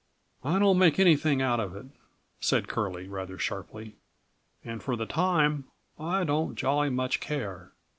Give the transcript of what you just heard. "I don't make anything out of that," said Curlie rather sharply, "and for the time, I don't jolly much care.